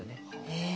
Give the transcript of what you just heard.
へえ。